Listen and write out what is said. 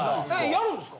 やるんですか？